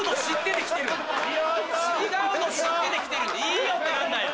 「いいよ」って何だよ！